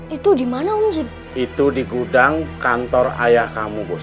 itu dimana om jin itu di gudang kantor ayah kamu bos